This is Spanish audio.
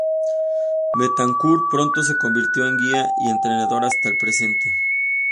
Betancourt pronto se convirtió en guía y entrenador hasta el presente.